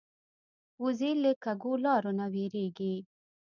وزې له کږو لارو نه وېرېږي